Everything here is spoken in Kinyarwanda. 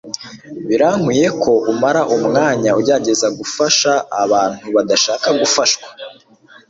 birakwiye ko umara umwanya ugerageza gufasha abantu badashaka gufashwa